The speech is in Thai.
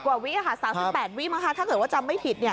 ๓๐กว่าวินาที๓๘วินาทีถ้าเกิดว่าจำไม่ผิด